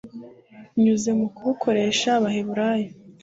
binyuze mu kubukoresha abaheburayo